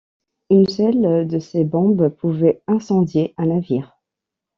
Une seule de ces bombes pouvait incendier un navire.